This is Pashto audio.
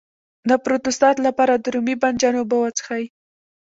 د پروستات لپاره د رومي بانجان اوبه وڅښئ